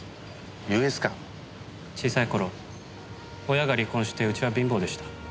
小さい頃親が離婚してうちは貧乏でした。